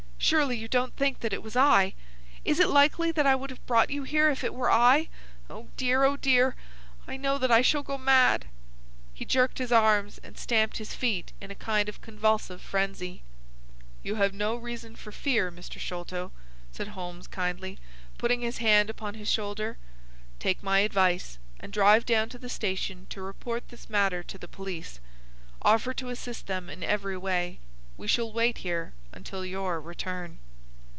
Surely you don't think that it was I? Is it likely that I would have brought you here if it were I? Oh, dear! oh, dear! I know that I shall go mad!" He jerked his arms and stamped his feet in a kind of convulsive frenzy. "You have no reason for fear, Mr. Sholto," said Holmes, kindly, putting his hand upon his shoulder. "Take my advice, and drive down to the station to report this matter to the police. Offer to assist them in every way. We shall wait here until your return."